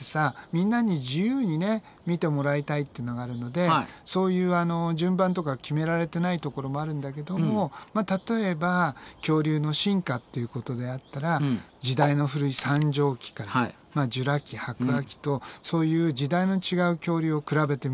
みんなに自由にね見てもらいたいってのがあるのでそういうあの順番とか決められてないところもあるんだけども例えば恐竜の進化っていうことであったら時代の古い三畳紀からジュラ紀白亜紀とそういう時代の違う恐竜を比べてみようとかさ。